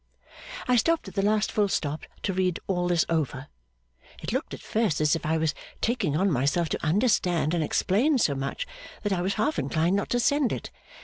I stopped at the last full stop to read all this over. It looked at first as if I was taking on myself to understand and explain so much, that I was half inclined not to send it.